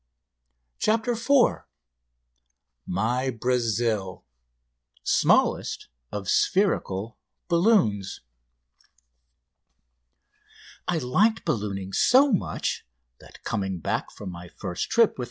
CHAPTER IV MY "BRAZIL" SMALLEST OF SPHERICAL BALLOONS I liked ballooning so much that, coming back from my first trip with M.